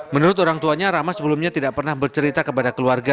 menurut orang tuanya rama sebelumnya tidak pernah bercerita kepada keluarga